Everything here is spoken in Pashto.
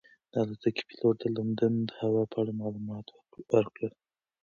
د الوتکې پېلوټ د لندن د هوا په اړه معلومات ورکړل.